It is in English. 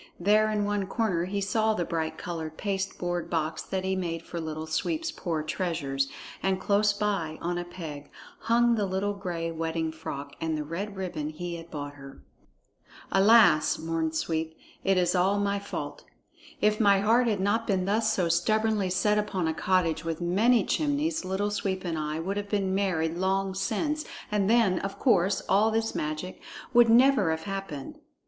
There in one corner he saw the bright colored pasteboard box that he had made for Little Sweep's poor treasures, and close by, on a peg, hung the little gray wedding frock and the red ribbon he had bought her. "Alas!" mourned Sweep, "it is all my fault! If my heart had not been thus so stubbornly set upon a cottage with many chimneys, Little Sweep and I would have been married long since, and then, of course, all this magic would never have happened."